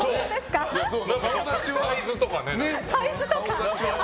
サイズとかね。